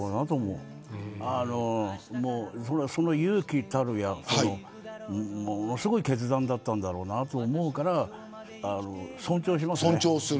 その勇気たるや、ものすごい決断だったんだろうなと思うから尊重しますね。